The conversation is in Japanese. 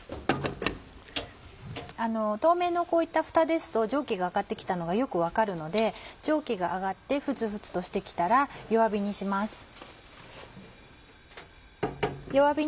透明のこういったフタですと蒸気が上がって来たのがよく分かるので蒸気が上がって沸々として来たら弱火にします。